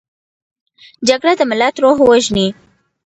جګړه د ملت روح وژني